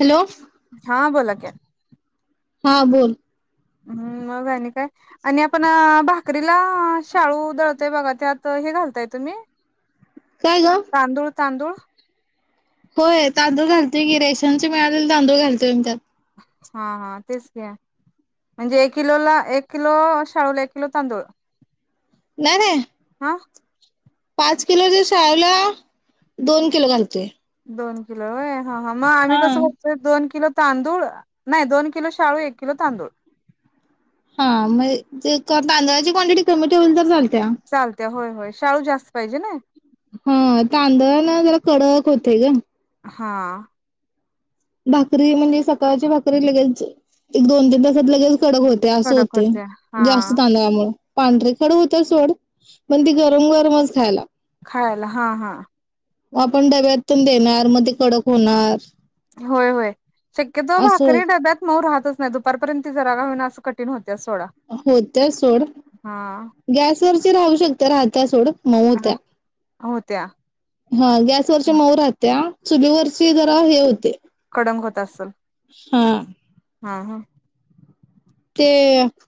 Hello हा बोला की. हा बोल. हम्म मग आणि काय आणि आपण भाकरीला शाळू दळतोय बघा. त्यात हे घालताय तुम्ही. काय ग. तांदूळ तांदूळ होय तांदूळ घलतोय की. रेशनचे मिळाले तांदूळ घालतोय मी त्यात. हा हा तेच घ्या. म्हणजे एक किलोला एक किलो शाळूला एक किलो तांदूळ. नाई नाई. [inaudible] पाच किलोच्या शाळूला दोन किलो घालतोय. दोन किलो व्हय हां हां म आम्ही हा कसं दोन किलो तांदूळ नाई दोन किलो शाळू. एक किलो तांदूळ. हा म ते तांदळाची क्वांटिटी कमी ठेवली तर चाल चालत्या होय होय शाळू जास्त पाहिजे ना. ह तांदळानं जरा कडक होतय ग. हां भाकरी म्हणजे सकाळची भाकरी लगेच एक दोन ते सात लगेच कडक होतय असं कडक होतय होत्या हा जास्त तांदळामुळ. पांढरी खड होत्या सोड पण ती गरम गरमच खायला खायला हा हा म आपण डब्यातुन देणार. म ते कडक होणार. होय होय शक्यतो असो भाकरी डब्यात मऊ राहतच नाई. दुपारपर्यंत ती जराका होईना असं कठीण होत होत्या सोड हा गॅसवरची राहू शकत्या राहत्या सोड. मऊ होत्या होत्या हा गॅसवरच्या मऊ राहत्या चुली वरची जरा हे होते. कडक होत असल हा हम् हम्. ते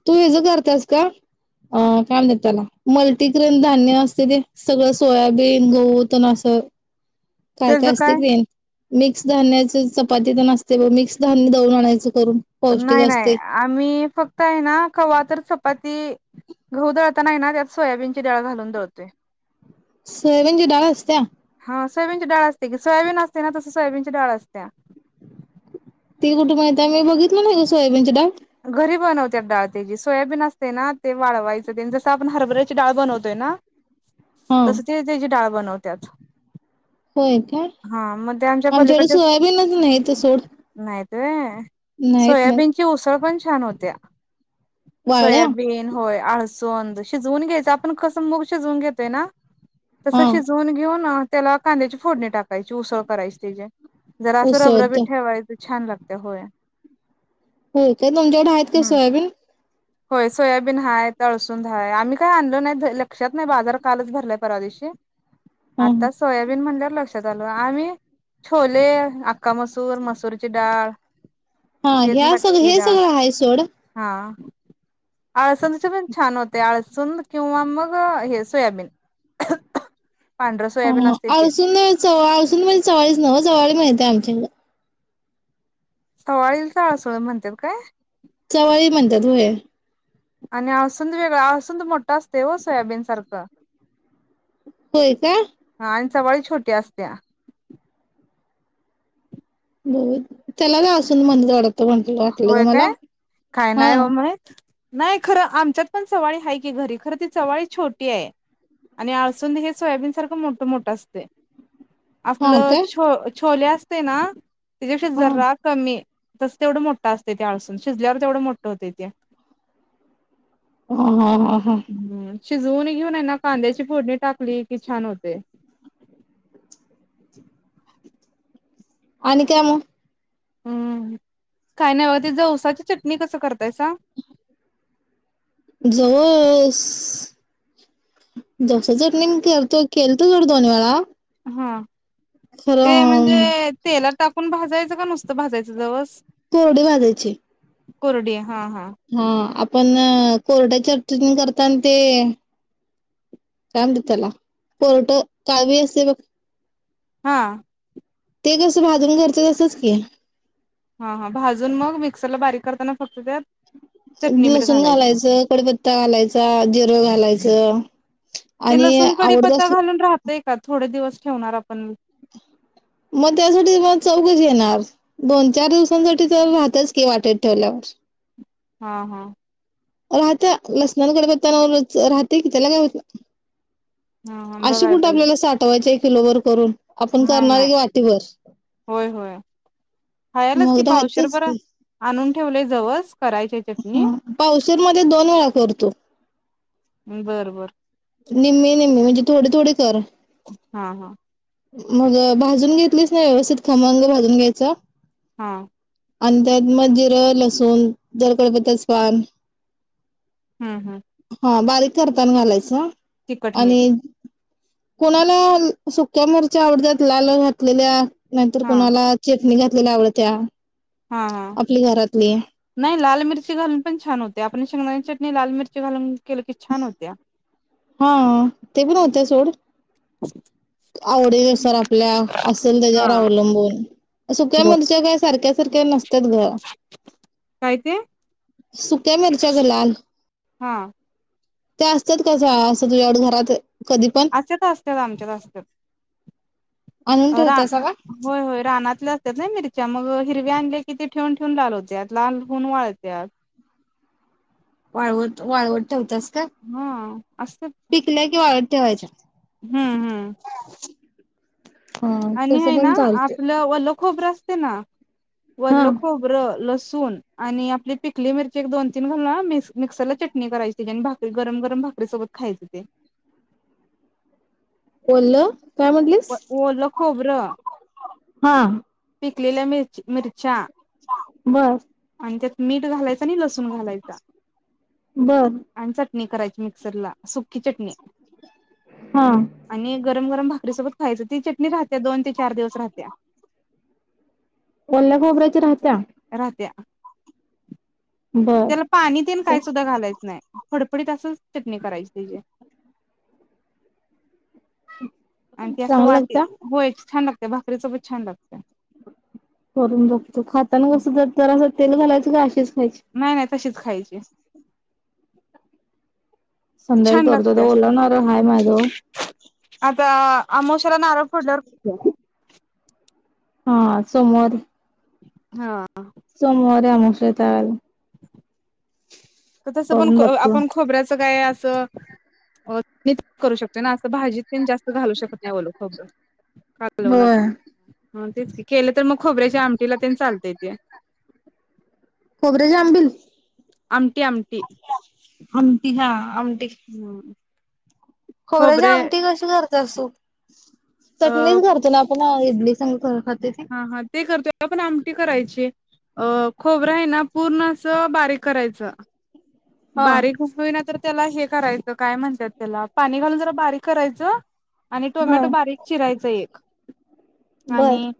तू हेज करत्यास का? अ काय म्हणत्यात त्याला मल्टीग्रेन धान्य असतय ते सगळं सोयाबीन गहू तेन असं. [inaudible] काय काय असतय की ते मिक्स धान्याची चपाती तन असत्या बग मिक्स धान्य दळुन आणायचं करून पौष्टिक नाही नाही असते. आम्ही फक्त हाय ना कवा तर चप पाती घहू दळताना हाय ना त्यात सोयाबीनची डाळ घालून दळतोय. सोयाबीनची डाळ असत्या. सोयाबीन ची डाळ असत्या की सोयाबीन असते ना तस सोयाबीन ची डाळ असत्या. ती कुठू मिळत्या मी बघितलं नाही ग सोयाबीन डाळ. घरी बनवत्यात डाळ त्याजी सोयाबीन असते ना ते वाळवायचं तेन जसं आपण हरभऱ्याची डाळ बनवतोय. ना हा तसं ते त्याजी डाळ बनवत्यात. होय काय हा म ते आमच्या आमच्याकडे पलीकडच्याच सोयाबीनच नाही तर सोड नाही. त व्हय नाहीत नाही सोयाबीन ची उसळ पण छान होत्या. वाळ्या सोयाबीन होय आळसुंद शिजवून घ्यायचं आपण कसं मूग शिजवून घेतोय ना. तसं हा शिजवून घेऊन त्याला कांद्याची फोडणी टाकायची उसळं करायची तेजी. जरा आसं रबरबी उसळत ठेवायच छान लागतय होय. होय काय तुमच्याकड हैत का हम्म सोयाबीन? होय सोयाबीन हाय आळसुंद हाय आम्ही काय आणलो नाई धड लक्षात नाही बाजार कालच भरलाय परवा दिवशी. हा आता सोयाबीन म्हणल्या वर लक्ष त आलं आम्ही छोले, आखा मसूर, मसूर ची डाळ हा हेच ह्या सगळ मटकी हे डाळ सगळं आहे सोड हा. आळसुंदाचे पण छान होय आळसुंद किंवा मग हे सोयाबीन. [inaudible] सोयाबीन ह असते ते आळसुंद चवाळ आळसुंद म्हणजे चवाळीच न्हवं चवळीच मिळत्या आमच्या ईकड. चवाळीलच आळसुंद म्हणत्यात काय? चवाळी म्हणत्यात व्हय. आणि आळसुंद वेगळा अळसुंद मोठा असतोय हो सोयाबीन सारखं. होय का. चवाळी छोटी असत्या. त्याला [unintelligible] म्हणल वाटत कोण तरी वाटलं होय ग मला हा. नाई खरं आमच्यात पण चवाळी हाय की घरी खरं ती चवाळी छोटी हाय. आणि आळसुंद हे सोयाबीन सारख मोठ मोठं असते. हा आपलं काय छो छोले असते ना त्याच्या हा ज कमी तेवढं मोठा असते ते अळसून शिजल्यावर तेवढं मोठ होते ते ह हा ह हा. हम्म शिजवून घेऊनना कांद्याची फोडणी टाकली कि छान होते. आणि काय मग हम्म काय नाही ब ते जवसाची चटणी कसं करतायस. जस जस चटणी करतो केलतो जर दोन्ही वेळा हा ते खरं म्हणजे तेलात टाकून भाजायचं का नुसतं भाजायचं जवस. कोरडे वाजायचे. कुरुडया. हा आपण कोर्टाच्या अडचणी करताना ते काय म्हते त्याला पुरठं कावी असे बघ. हा ते कसं भाजून घरचं तसच की हा हा भाजून मग मिक्सरला बारीक करताना फक्त त्यात चटणी मीठ लसूण घालायचं कडपत्ता घालायचा जिर घालायचं ते आणि लसूण आवडत कडीपत्ता असल घालून राहतय का थोडे दिवस ठेवणार आपण मग त्यासाठी मला चौ कशी येणार दोन चार दिवसांसाठी चव राहत्याच की वाटीत ठेवल्यावर [inaudible] हा हा राहत लसना कडीपत्ता करताना राहते कि त्याला कय होत हा हा अशी बघाय कुठे पाहिजे आपल्याला साठवायच आहे किलोभर करून आपण क नाही नाही होय होय खायालाच मग कि पावशेर राहतेच भर की आणून ठेवले जवस करायची आहे चटणी पावशेर मध्ये दोन वेळा करतो. बर बर निम्मे निम्मे म्हणजे थोडे थोडे कर हा हा मग भाजून घेतलीस ना व्यवस्थित खमंग भाजून घ्यायचा हा आणि त्यात मग जिर लसूण जरा कढीपत्त्याच पान हम्म हम्म हा बारीक करताना घालायचं तिखट मीठ आणि कोणाला सुक्या मिरच्या आवडतात लाल घातलेल्या नाही तर हा कोणाला मी घातलेल्या आवडत्या हा आपली घरातली नाही लाल मिरची घालून पण छान होते आपण शेंगदाणे चटणी लाल मिरची घालून केलं की छान होत्या. हा ते पण होत्या सोड [inaudible] आवडी नुसार आपल्या असेल हा त्याच्यावर अवलंबून सुक्या हो. मिरच्या काय सारख्या सारख्या नस त्यात ग काय ते सुक्या मिरच्या ग लाल हा ते असतात कसं असं तुझ्याकडं घरात कधी पण अशेच असत्यात आमच्यात आणून असत्यात रान ठेवतासा का? होय होय रानातल्या नाही मिरच्या मग हिरव आणले कि ते ठेवून ठेऊून लाल होत्या लाल होऊन वाळत्यात वाळवत वाळवत ठेवतच हा अस की वाळत ठेवायच्या हं हं [inaudible] हा आणि तसं हाय ना पण चालतंय. आपलं वल्ल खोबरं असते ना हा. वल्ल खोबरं लसू लसूण आणि आपली पिकली मिरची एक दोन तीन घालून मिक्सर ला चटणी करायची भाकरी गरम गरम भाकरी सोबत खायचं ते वल्ल ओलं खोबर हा पिकलेल्या मिर मिरच्या बर. आणि त्यात मीठ घालायचं आणि लस घालायचा बर आणि चटणी करायची मिक्सर ला सुकी चटणी हा आणि गरम गरम भाकरी सोबत खायच ती चटणी राहत्या दोन ते चार दिवस राहत्या ओल्या खोबऱ्याची राहत्या राहत्या बर. त्याला पाणी तेन काय सुद्धा घालायचं नाही फड फडीत अस चटणी करायची तेजी आणि ती असं चांगल्या वाटी लागत्या होय छान लागते भाकरी सोबत छान लागते. करून बघतो खाताना कस ज तर असं तेल घालायचं का अशीच खायची? नाही नाही तशीच खायचे. संध्याकाळी छान करतो तर लागते ओला नारळ हाय माझ्याजवळ आता, आमोवशाला नारळ फोडल्यावर. हां सोमवारी, हां, सोमवारी आमुवश्या य त्यावेळेला, तसं पण करून बघतो. आपण खोबऱ्याचं गाय, मीच करू शकतो ना असं भाजी. मी पण जास्त घालू शकत नाही ओलं खोबरं कालवणात होय. ह तेच क केलं तर मग खोबऱ्याच्या आमटीला ते चालतंय ते खोबरे ज आंबिल, आमटी आमटी आमटी हा हम्म, खोबऱ्या ज आमटी कशी करत्यास तू अ चटणीच करतो ना आपण इडली संग करून खातेस करते. पण आमटी करायची अ खोबरं आहे ना पूर्ण असं बारीक करायचं. हा बारीक उसवि ना तर त्याला हे करायचं काय म्हणतयात त्याला पाणी घालून जरा बारीक करायचं. आणि हा टोमॅटो बारीक चिरायचा एक बर आणि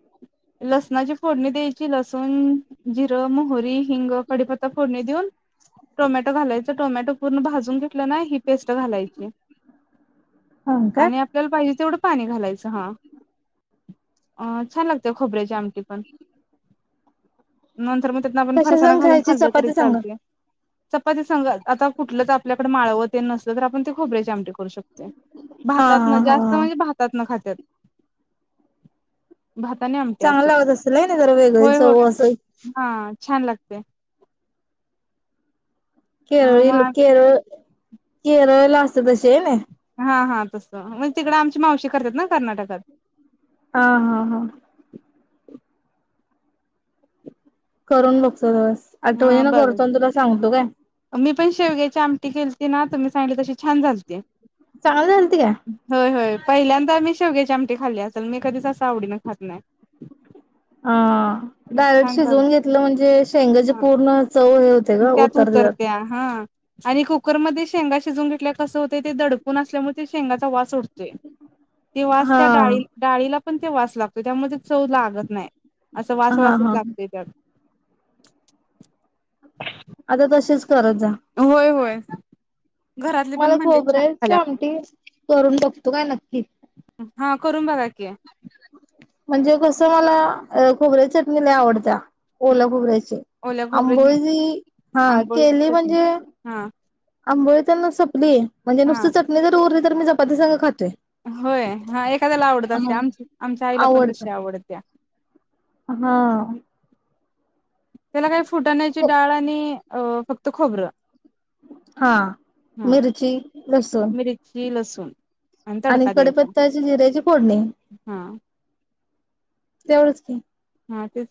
लसणाची फोडणी द्यायची लसूण जिरं मोह री हिंग कपत्ता फोडणी दीऊन टोमॅटो घालायच टोमॅटो पूर्ण भाजून घेतलं ना ही पेस्ट घालायची हा का आणि आपल्याला पाहिजे तेवढं पाणी घालायचं हा छान लागत खोबऱ्याच्या आमच्या ती पण नंतर मग त्यात आपण कशा फरसाना संग घालून खायची खाल्लं तरी चपाती संग चालते चपातीसंग ते सांगत आता कुठलंच आपल्याकडे माळवतते नसत नायंतर आपण खोबऱ्याची आमटी करू शकतोय हा हा भातातनं हा जास्त हा म्हणजे भात न खात तत. भाताने आमट्या चांगल असं लागत असेल हाय ना जरा वेगळी होय चव होय असं हां छान लागतं. केरळी केरळ केरळला असत तशी ना हा हा तसं म्हणजे तिकडं आमची मावशी करतात ना कर्नाटकात. हां हां हां, [unintelligible] करून बघतो तस हा आठवणीन ना बघ करतो तुला सांगतो काय मी पण शेवग्याची आमटी केेलती ना तुम्ही सांगली तशी छान झालती. चांगलं झालती काय? होय होय पहिल्यांदा मी शेवगेचे आमटे खाल्ले असेल मी कधीच असं आवडीन खात नाही. हा डायरेक्ट छान झालं शिजवून घेतलं म्हणजे शेंगचे हा पूर्ण चव होते ग त्यात उतरते उतरत्या हा. आणि कुकरमध्येध्ये शेंगा शिजवून घेतल्या कसं होतंय ते दडपून असल्यामुळे ते शेंगाचा वास उडतोय. ते वास त्या हा. डाळी डाळीला पण ते वास लागतो त्यामुळे चव लागत नाही. असं हा वासवासच हा लागतय त्यात आता तसेच करत जा. [inaudible] पण मला म्हणले खबर छान आहे श झाल्या आमटी करून बघतो का नक्कीच हा करून बघा की. म्हणजे कस मला खोबऱ्या चटणीला आवडत्या. ओल खोबऱ्याचे ओल्या खोबऱ्याची अंबोजी हा केली आंबोळीची चटणी म्हणजे हा आंबोळी तरना सपली म्हणजे हा नुसतं चटणी जर उरली तर मी चपाती स खात होय हा एखाद्याला आवडत असते आम आमच्या आईला पण आवडत तशी आवडत्या. हा त्याला काही फुटाण्याची डाळ आणि अ फक्त खोबरं हा हा मिरची लसूण मिर्ची लसूण आणि तडका द्यायचा कढीपत्त्याची जिऱ्याची फोडणी हा तेवढंच की हा तेच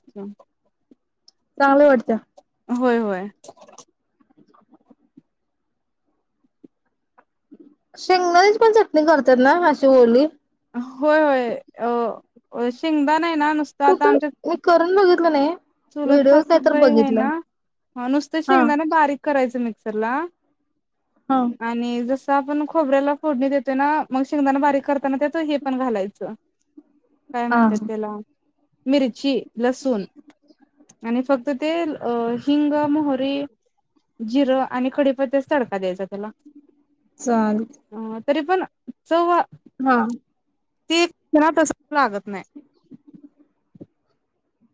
चांगलं वाटतं होय होय शेंगदााण्याची पण चटणी करतात ना अशी ओली? होय होय अ शेंगदा नाही ना नुसतं आता कुठं आमच्या मी करून बघितलं नाही. चुलत व्हिडिओ काय तर सासुबाई आहे बघितलाय ना नुसत हा शेंगदाना बारीक करायचं मिक्सरला हा आणि जस आपण खोबऱ्याला फोडणी देतोय ना मग शेंगदाणा बारीक करताना त्यात हे पण घालायचं. काय हा म्हणतात हा त्याला मिरची लसूण आणि फक्त ते हिंग मोहरी जिरं आणि कढीपत्त्याच तडका द्यायचा त्याला. चालेल तरी पण चव हा ते क्षणात अस लागत नाही.